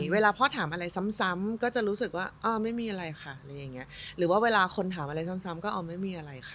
เวลาพ่อถามอะไรซ้ำก็จะรู้สึกว่าไม่มีอะไรค่ะอะไรอย่างนี้หรือว่าเวลาคนถามอะไรซ้ำก็เอาไม่มีอะไรค่ะ